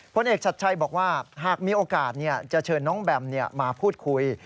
ผลเอกชัดชัยบอกว่าหากมีโอกาสจะเชิญน้องแบมมาพูดคุย